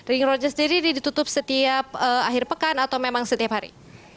ring roja sendiri ditutup setiap akhir pekan atau memang setiap hari